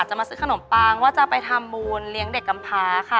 มาซื้อขนมปังว่าจะไปทำบุญเลี้ยงเด็กกำพาค่ะ